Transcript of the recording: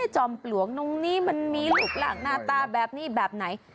จอมเปลวงมันมีหนุ่มรักหน้าตาแบบนี้แบบไหน